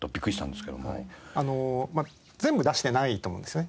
まあ全部出してないと思うんですよね。